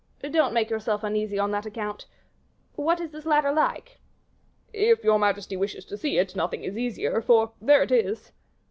"Don't make yourself uneasy on that account. What is this ladder like?" "If your majesty wishes to see it, nothing is easier, for there it is."